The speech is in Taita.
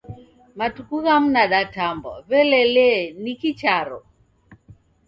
Matuku ghamu nadatambwa w'ele lee niki charo.